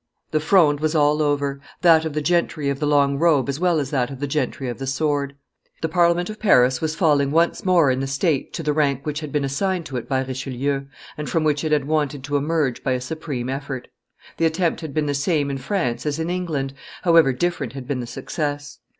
The Fronde was all over, that of the gentry of the long robe as well as that of the gentry of the sword. The Parliament of Paris was once more falling in the state to the rank which had been assigned to it by Richelieu, and from which it had wanted to emerge by a supreme effort. The attempt had been the same in France as in England, however different had been the success.